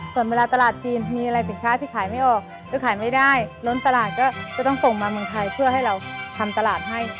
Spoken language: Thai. ส่วนเวลาตลาดจีนมีอะไรสินค้าที่ขายไม่ออกหรือขายไม่ได้ล้นตลาดก็จะต้องส่งมาเมืองไทยเพื่อให้เราทำตลาดให้